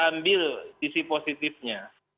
ambil sisi positifnya